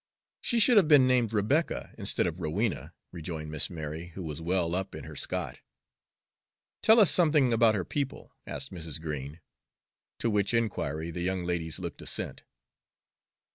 "She should have been named Rebecca instead of Rowena," rejoined Miss Mary, who was well up in her Scott. "Tell us something about her people," asked Mrs. Green, to which inquiry the young ladies looked assent.